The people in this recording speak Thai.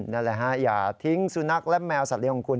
นั่นแหละฮะอย่าทิ้งสุนัขและแมวสัตเลี้ยของคุณ